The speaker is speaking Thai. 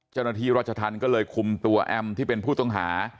เจ้าหน้าที่รัชธรรมก็เลยคุมตัวแอมที่เป็นผู้ต้องหา